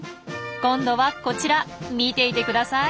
今度はこちら見ていてください。